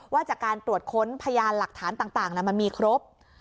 ว่าจากการตรวจค้นพยานหลักฐานต่างมันมีครบ